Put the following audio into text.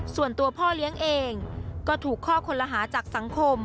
ส่วนตัวพ่อเลี้ยงเองก็ถูกข้อคนละหาจากสังคม